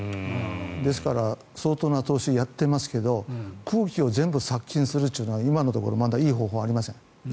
ですから相当な投資をやっていますけど空気を全部殺菌するというのは今のところまだいい方法がありません。